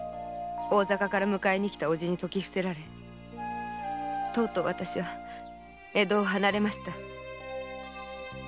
大坂から迎えにきた叔父に説き伏せられとうとうわたしは江戸を離れました。